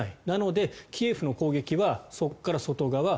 なので、キエフの攻撃はそこから外側。